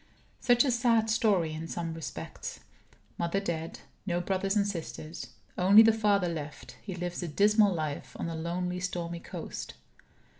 Such a sad story, in some respects. Mother dead; no brothers or sisters. Only the father left; he lives a dismal life on a lonely stormy coast.